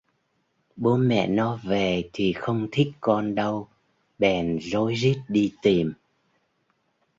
Bố mẹ nó về thì không thích con đâu bèn rối rít đi tìm